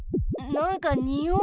なんかにおう。